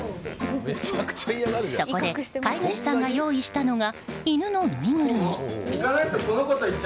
そこで飼い主さんが用意したのが犬のぬいぐるみ。